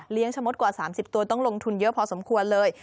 ชะมดกว่า๓๐ตัวต้องลงทุนเยอะพอสมควรเลย